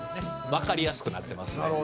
「わかりやすくなってますね」